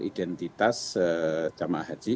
identitas jemaah haji